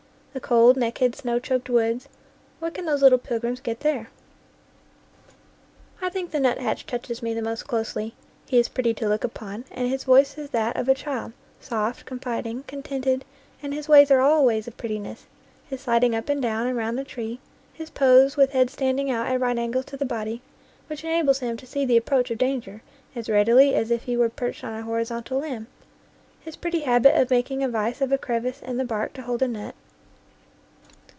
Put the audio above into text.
The cold, naked, snow choked woods what can those little pilgrims get there? I think the nuthatch touches me the most closely; he is pretty to look upon, and his voice is that of a child, soft, confiding, contented, and his ways are all ways of prettiness his sliding up and down and round the tree, his pose, with head standing out at right angles to the body, which en ables him to see the approach of danger as readily as if he were perched on a horizontal limb, his pretty habit of making a vise of a crevice in the bark to hold a nut.